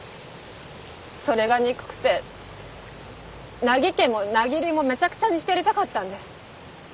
それが憎くて名木家も名木流もめちゃくちゃにしてやりたかったんです。